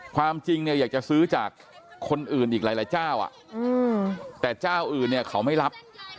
ความจริงเนี่ยอยากจะซื้อจากคนอื่นอีกหลายเจ้าแต่เจ้าอื่นเนี่ยเขาไม่รับ